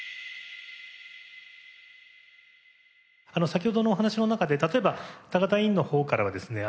先ほどのお話の中で例えば高田委員の方からはですね